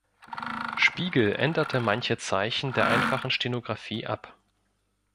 Spiegel änderte manche Zeichen der Einfachen Stenografie ab.